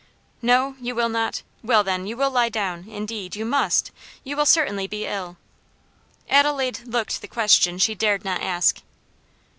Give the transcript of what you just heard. "No, you will not? well, then, you will lie down; indeed, you must; you will certainly be ill." Adelaide looked the question she dared not ask.